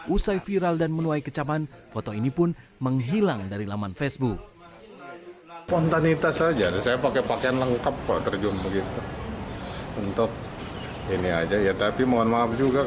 usai viral dan menuai kecaman foto ini pun menghilang dari laman facebook